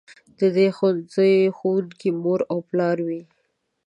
د دې ښوونځي ښوونکي مور او پلار وي.